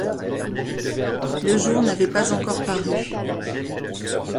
Le jour n’avait pas encore paru